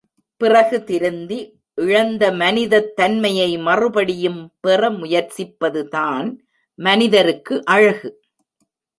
பிறகு திருந்தி, இழந்த மனிதத் தன்மையை மறுபடியும் பெற முயற்சிப்பதுதான் மனிதருக்கு அழகு.